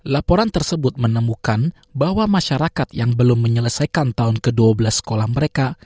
laporan tersebut menemukan bahwa masyarakat yang belum menyelesaikan tahun ke dua belas sekolah mereka